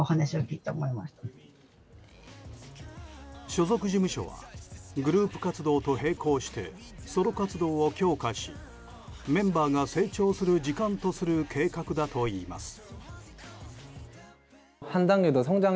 所属事務所はグループ活動と並行してソロ活動を強化しメンバーが成長する時間とする計画だといいます。